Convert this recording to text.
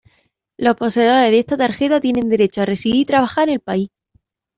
Los poseedores de esta tarjeta tienen derecho a residir y trabajar en el país.